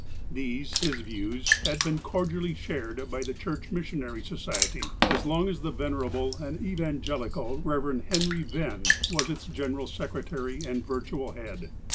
These, his views, had been cordially shared by the Church Missionary Society, as long as the venerable and evangelical Eev. Henry Venn was its General Secretary and virtual head.